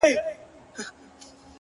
• د طبيعت دې نندارې ته ډېر حيران هم يم،